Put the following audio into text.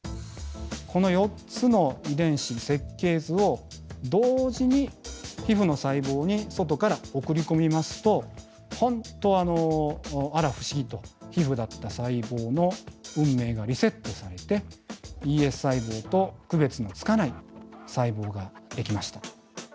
この４つの遺伝子設計図を同時に皮ふの細胞に外から送り込みますと本当あら不思議と皮ふだった細胞の運命がリセットされてＥＳ細胞と区別のつかない細胞ができました。